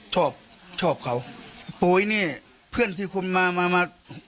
ชอบชอบเขาโป๋อยนี่เพื่อนที่คุณมามา